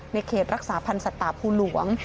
เขตรักษาพันธ์สัตว์ป่าภูหลวง